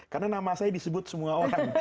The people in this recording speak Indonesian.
karena nama saya disebut semua orang